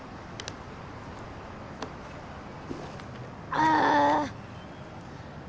ああ！